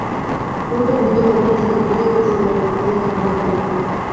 তুমি তো বৃদ্ধ, তেমনি যুবক দুটিও তো যুগল মহাদেব নন!